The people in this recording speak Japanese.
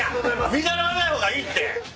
見習わない方がいいって。